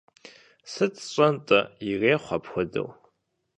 Сыт сщӀэн-тӀэ, ирехъу апхуэдэу.